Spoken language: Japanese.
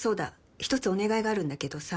一つお願いがあるんだけどさ。